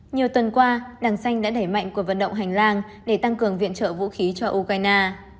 nhiều tuần qua đảng xanh đã đẩy mạnh cuộc vận động hành lang để tăng cường viện trợ vũ khí cho ukraine